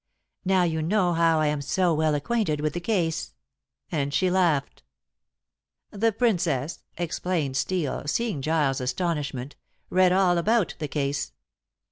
Now you know how I am so well acquainted with the case," and she laughed. "The Princess," explained Steel, seeing Giles' astonishment, "read all about the case.